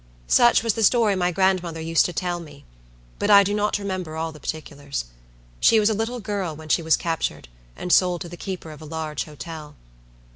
Such was the story my grandmother used to tell me; but I do not remember all the particulars. She was a little girl when she was captured and sold to the keeper of a large hotel.